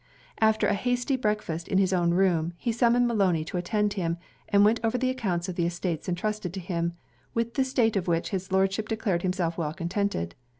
After an hasty breakfast in his own room, he summoned Maloney to attend him, and went over the accounts of the estates entrusted to him, with the state of which his Lordship declared himself well contented.